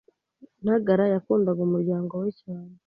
Ntagara yakundaga umuryango we cyane.